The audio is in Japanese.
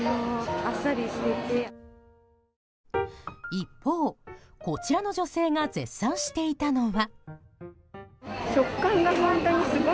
一方、こちらの女性が絶賛していたのは。